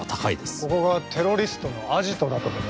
ここがテロリストのアジトだとでも？